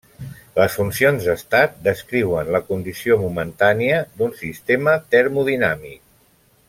Les funcions d'estat descriuen la condició momentània d'un sistema termodinàmic.